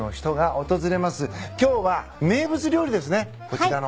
今日は名物料理ですねこちらの。